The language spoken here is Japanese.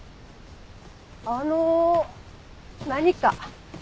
あの何か？